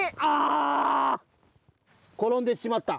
ころんでしまった。